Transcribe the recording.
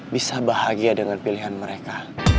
bisa bahagia dengan pilihan mereka